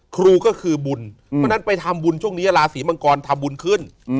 ครูก็คือบุญเพราะฉะนั้นไปทำบุญช่วงนี้ราศีมังกรทำบุญขึ้น